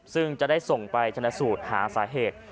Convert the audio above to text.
ซึ่งจะได้ส่งไปชนะสูตรหาสาเหตุ